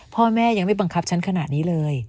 พ่อแม่ยังไม่บังคับฉันขนาดนี้เลย